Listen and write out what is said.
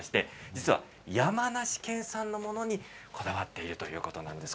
実は、山梨県産のものにこだわっているということなんです。